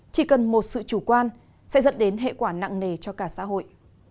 chỉ cần một sự chủ quan sẽ dẫn đến hệ quả nặng nề cho cả xã hội